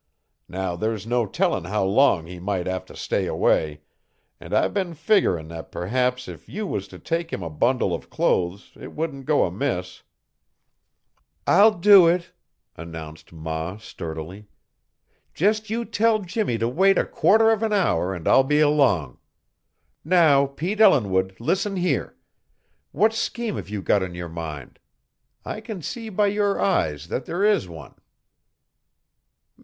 Now, there's no tellin' how long he might have to stay away, an' I've been figgerin' that perhaps if you was to take him a bundle of clothes it wouldn't go amiss." "I'll do it," announced ma sturdily. "Just you tell Jimmie to wait a quarter of an hour and I'll be along. Now, Pete Ellinwood, listen here. What scheme have you got in your mind? I can see by your eyes that there is one."